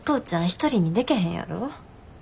一人にでけへんやろ？